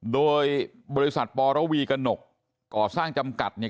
โดยบริษัทปรวีกระหนกก่อสร้างจำกัดเนี่ย